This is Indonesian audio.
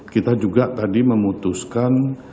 kita juga tadi memutuskan